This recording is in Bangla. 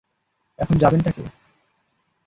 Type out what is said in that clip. এখন যাবেনটা কে?